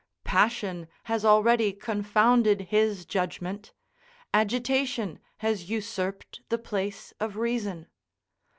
Passion has already confounded his judgment; agitation has usurped the place of reason.